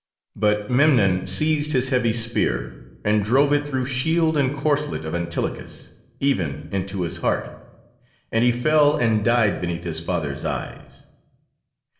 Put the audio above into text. But Memnon seized his heavy spear, and drove it through shield and corselet of Antilochus, even into his heart, and he fell and died beneath his father's eyes.